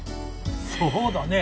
そうだね。